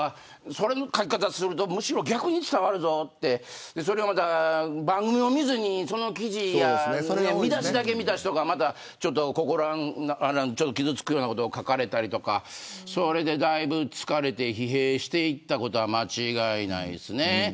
その書き方だと逆に伝わるぞって番組を見ずにその記事や見出しだけ見た人から傷つくようなことを書かれたりそれで疲れたり疲弊したことは間違いないです。